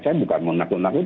saya bukan menakut nakut